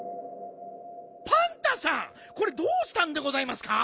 パンタさんこれどうしたんでございますか？